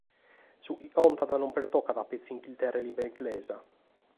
Su chi contat non pertocat petzi Inghilterra e limba inglesa.